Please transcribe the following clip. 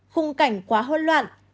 khung cảnh quá hỗn loạn